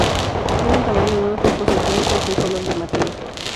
Tiene un tamaño de unos pocos centímetros y un color llamativo.